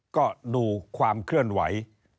ก็ดูความเคลื่อนไหว